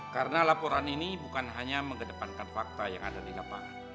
karena laporan ini bukan hanya mengedepankan fakta yang ada di lapangan